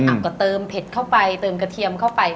ก็เติมเผ็ดเข้าไปเติมกระเทียมเข้าไป